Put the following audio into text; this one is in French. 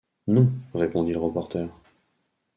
Non, répondit le reporter